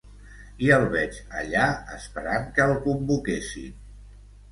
I el veig allà, esperant que el convoquessin.